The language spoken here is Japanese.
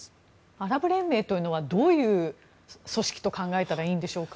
アラブ連盟というのはどういう組織と考えたらいいんでしょうか。